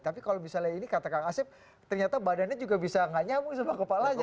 tapi kalau misalnya ini kata kang asep ternyata badannya juga bisa nggak nyambung sama kepalanya